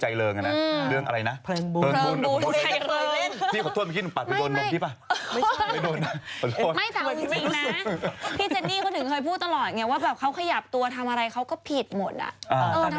ไม่ท้องจริงนะพี่เจนนี่เขาถึงเคยพูดตลอดอย่างเนี้ยว่าแบบเขาขยับตัวทำอะไรเขาก็ผิดหมดแนท